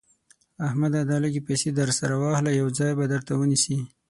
احمده دا لږ پيسې در سره واخله؛ يو ځای به درته ونيسي.